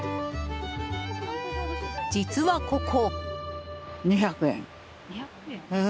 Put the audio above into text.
実はここ！